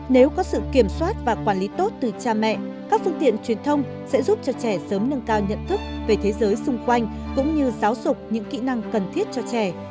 nếu có sự kiểm soát và quản lý tốt từ cha mẹ các phương tiện truyền thông sẽ giúp cho trẻ sớm nâng cao nhận thức về thế giới xung quanh cũng như giáo dục những kỹ năng cần thiết cho trẻ